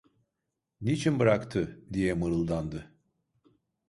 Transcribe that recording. "Niçin bıraktı?" diye mırıldandı.